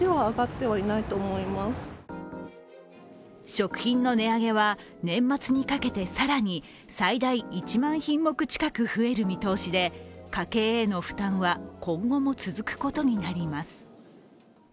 食品の値上げは年末にかけて更に最大１万品目近く増える見通しで家計への負担は今後も続くことになります。